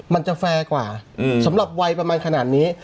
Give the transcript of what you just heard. มันจะแฟร์กว่าสำหรับวัยประมาณขนาดนี้